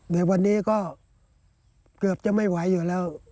ในวันนี้ก็เกือบจะไม่ไหวอยู่แล้ว